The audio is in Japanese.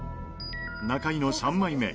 中井の３枚目。